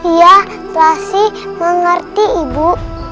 iya selasi mengerti ibu